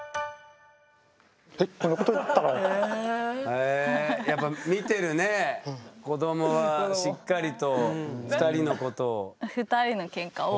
へえやっぱ見てるね子どもはしっかりと２人のことを。